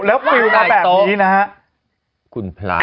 แล้วปลิวมาแบบนี้นะฮะ